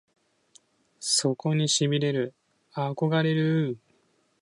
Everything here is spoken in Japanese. そこに痺れる憧れるぅ！！